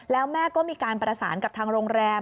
แล้วแม่ก็มีการประสานกับทางโรงแรม